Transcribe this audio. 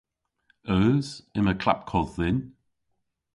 Eus. Yma klapkodh dhyn.